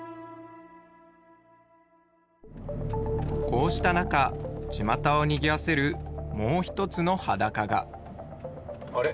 こうした中ちまたをにぎわせるもう一つの裸があれ？